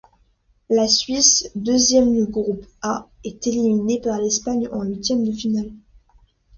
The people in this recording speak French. La Suisse, deuxième du groupe A, est éliminée par l'Espagne en huitième de finale.